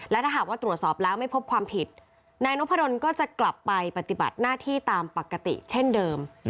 และถ้าหากว่าตรวจสอบแล้วไม่พบความผิดนายนพดลก็จะกลับไปปฏิบัติหน้าที่ตามปกติเช่นเดิม